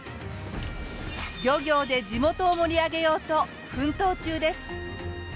漁業で地元を盛り上げようと奮闘中です。